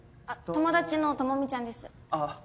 友達の朋美ちゃんです。